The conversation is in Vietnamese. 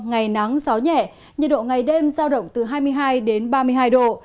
gió nhẹ nhiệt độ ngày đêm giao động từ hai mươi hai đến ba mươi hai độ